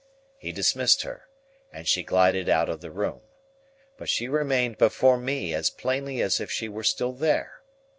He dismissed her, and she glided out of the room. But she remained before me as plainly as if she were still there.